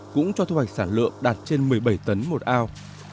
cũng cho thu hoạch sản lượng đạt trên một mươi bảy tấn một ao